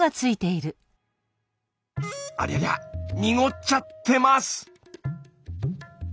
ありゃりゃ濁っちゃってます！